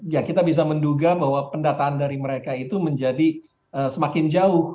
ya kita bisa menduga bahwa pendataan dari mereka itu menjadi semakin jauh